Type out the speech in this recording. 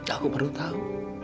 aku perlu tahu